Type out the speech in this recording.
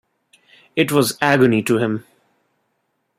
It was agony to him.